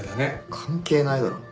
関係ないだろ。